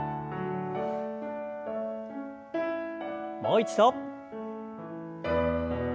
もう一度。